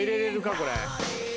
これ。